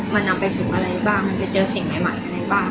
มันนำไปสิ่งอะไรบ้างมันไปเจอสิ่งใหม่อะไรบ้าง